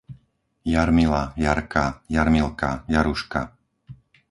Jarmila, Jarka, Jarmilka, Jaruška